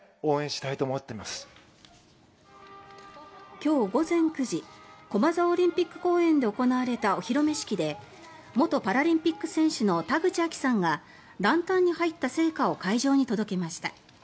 今日午前９時駒沢オリンピック公園で行われたお披露目式で元パラリンピック選手の田口亜希さんがランタンに入った聖火を会場に届けました。